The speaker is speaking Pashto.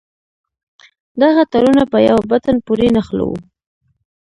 دغه تارونه په يوه بټن پورې نښلوو.